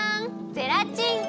ゼラチン。